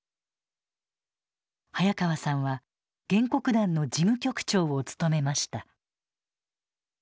早川さんは原告団の事務局長を務めました。